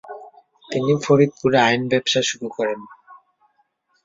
তিনি ফরিদপুরে আইন ব্যবসা শুরু করেন।